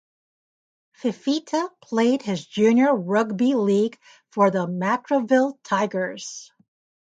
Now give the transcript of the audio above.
Fifita played his junior rugby league for the Matraville Tigers.